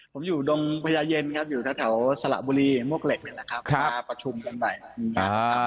ผมอยู่ดงพญาเย็นครับอยู่แถวสละบุรีมวกเหล็กเนี่ยนะครับ